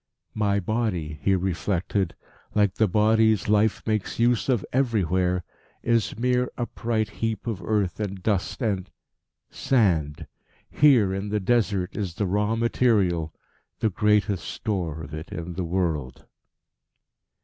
"My body," he reflected, "like the bodies life makes use of everywhere, is mere upright heap of earth and dust and sand. Here in the Desert is the raw material, the greatest store of it in the world."